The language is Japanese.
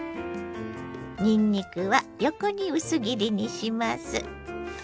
にんにくは横に薄切りにします。